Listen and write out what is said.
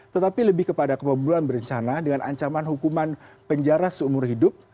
tetapi lebih kepada kebunuhan berencana dengan ancaman hukuman penjara seumur hidup